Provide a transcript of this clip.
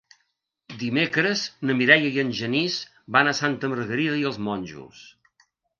Dimecres na Mireia i en Genís van a Santa Margarida i els Monjos.